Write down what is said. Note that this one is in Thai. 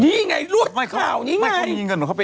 พี่ดูนอาจจะมีพร้อมเก็ตมันนี่ให้เขาไป